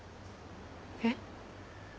えっ？